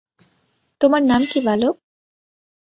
তোমার নাম কি, বালক?